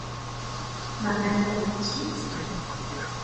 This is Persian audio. محل مقصود